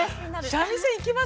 三味線行きます？